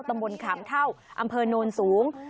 ตำบลขามเท่าอำเภอโนนสูง